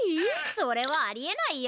それはありえないよ。